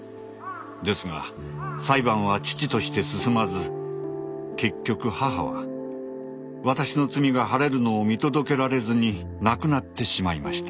ですが裁判は遅々として進まず結局母は私の罪が晴れるのを見届けられずに亡くなってしまいました。